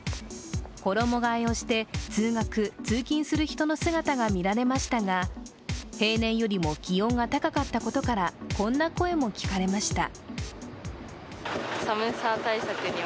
衣がえをして、通学・通勤する人の姿が見られましたが、平年よりも気温が高かったことから、こんな声も聞かれました。